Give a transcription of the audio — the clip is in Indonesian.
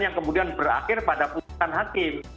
yang kemudian berakhir pada putusan hakim